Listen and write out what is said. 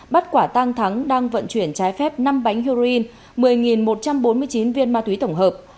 bắt quả tăng thắng đang vận chuyển trái phép năm bánh heroin một mươi một trăm bốn mươi chín viên ma túy tổng hợp